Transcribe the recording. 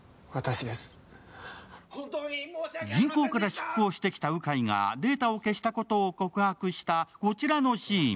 銀行から出向してきた鵜飼がデータを消したことを告白したこちらのシーン。